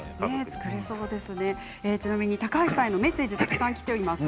ちなみに高橋さんへのメッセージたくさんきています。